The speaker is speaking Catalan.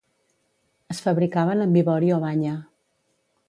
Es fabricaven amb ivori o banya.